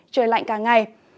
trời lạnh cả ngày